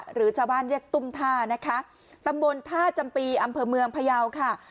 หรือชาวบ้านเรียกตุ้มท่านะคะตำบลท่าจำปีอำเภอเมืองพยาวค่ะ